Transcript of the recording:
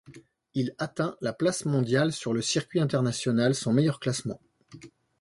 Il atteint la place mondiale sur le circuit international, son meilleur classement.